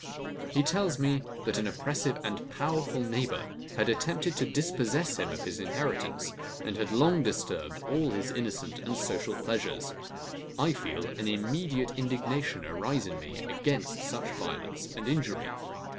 He tells me, that an oppressive and powerful neighbour had attempted to dispossess him of his inheritance, and had long disturbed all his innocent and social pleasures. I feel an immediate indignation arise in me against such violence and injury.